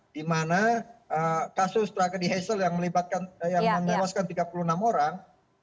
di mana kasus tragedi hazel yang menewaskan tiga puluh enam orang